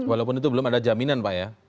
walaupun itu belum ada jaminan pak ya